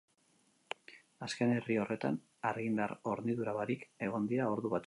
Azken herri horretan, argindar hornidura barik egon dira ordu batzuez.